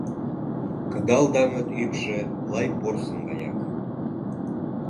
Кыдал даҥыт ӱпшӧ лай порсын гаяк.